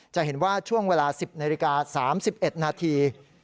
จะเห็นว่าช่วงเวลา๑๐นาฬิกา๓๑นาที